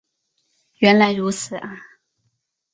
原来如此啊